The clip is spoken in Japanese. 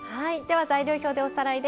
はい。